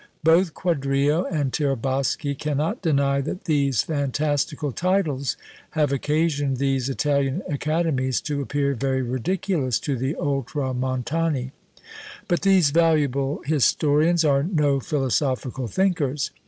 Both Quadrio and Tiraboschi cannot deny that these fantastical titles have occasioned these Italian academies to appear very ridiculous to the oltramontani; but these valuable historians are no philosophical thinkers.